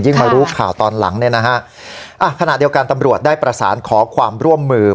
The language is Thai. มารู้ข่าวตอนหลังเนี่ยนะฮะอ่ะขณะเดียวกันตำรวจได้ประสานขอความร่วมมือ